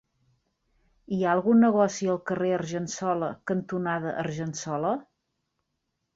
Hi ha algun negoci al carrer Argensola cantonada Argensola?